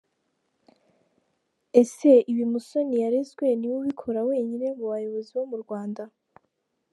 Ese ibi Musoni yarezwe ni we ubikora wenyine mu bayobozi bo mu Rwanda?